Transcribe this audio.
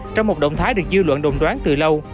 trong một động thái được dư luận đồng đoán từ lâu